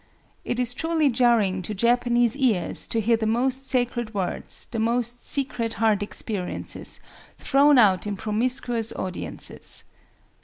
It is truly jarring to Japanese ears to hear the most sacred words, the most secret heart experiences, thrown out in promiscuous audiences.